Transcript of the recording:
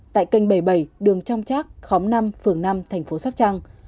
tại kênh bảy mươi bảy đường trong trác khóm năm phường năm thành phố sóc trăng